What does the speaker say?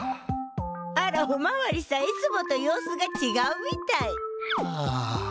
あらおまわりさんいつもと様子がちがうみたいはあ。